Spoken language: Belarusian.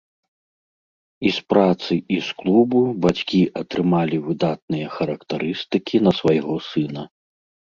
І з працы, і з клубу бацькі атрымалі выдатныя характарыстыкі на свайго сына.